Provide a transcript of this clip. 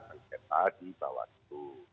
sengketa di bawah itu